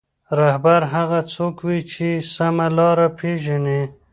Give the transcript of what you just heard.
رهبر هغه څوک وي چې سمه لاره پېژني.